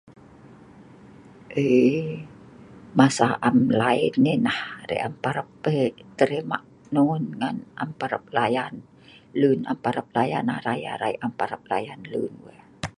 Kai am nan line telepon, lun am prap layan arai, am anok nan emou.